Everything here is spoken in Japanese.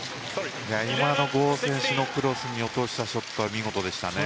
今のゴー選手のクロスに落としたショットは見事でしたね。